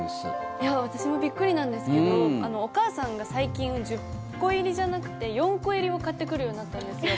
いや私もびっくりなんですけどお母さんが最近１０個入りじゃなくて４個入りを買ってくるようになったんですよ。